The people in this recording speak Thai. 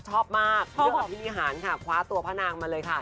ชอบมากตัวผู้สเนียงตีนประนามมาเลยค่ะ